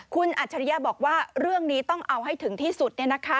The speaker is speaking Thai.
คุณอัจฉริยะบอกว่าเรื่องนี้ต้องเอาให้ถึงที่สุด